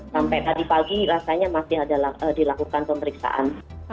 sampai tadi pagi rasanya masih ada dilakukan pemeriksaan